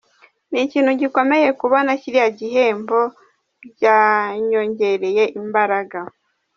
Ni ikintu gikomeye kubona kiriya gihembo, byanyongereye imbaraga.